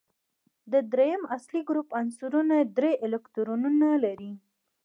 د دریم اصلي ګروپ عنصرونه درې الکترونونه لري.